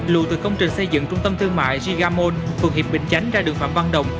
lùi từ công trình xây dựng trung tâm thương mại jigamone phường hiệp bình chánh ra đường phạm văn đồng